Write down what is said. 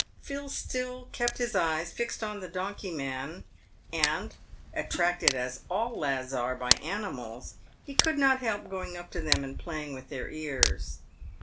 Phil still kept his eyes fixed on the donkey man, and, attracted as all lads are by animals, he could not help going up to them and play ing with their ears.